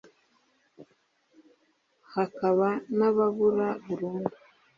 hakaba n’ababura burundu